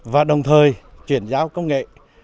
và đồng thời chuyển giao công nghệ